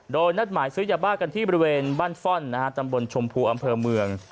โดยนัดหมายซื้อยาบ้ากันที่บริเวณบ้านฟ่อนตำบลชมพูอำเภอเมือง